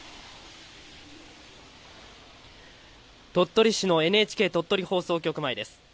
鳥取市のＮＨＫ鳥取放送局前です。